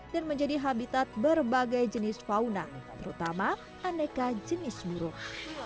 dan menjadi habitat berbagai jenis fauna terutama aneka jenis burung